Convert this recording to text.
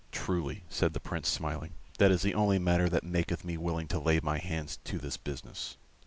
"Truly," said the Prince, smiling, "that is the only matter that maketh me willing to lay my hands to this business.